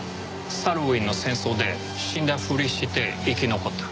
サルウィンの戦争で死んだふりして生き残った。